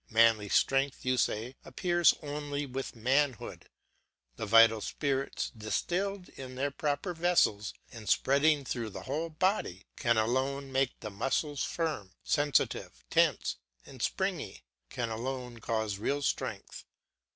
Manly strength, you say, appears only with manhood; the vital spirits, distilled in their proper vessels and spreading through the whole body, can alone make the muscles firm, sensitive, tense, and springy, can alone cause real strength.